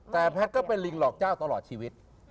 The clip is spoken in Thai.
แต่แพทย์ก็เป็นลิงหลอกเจ้าตลอดชีวิต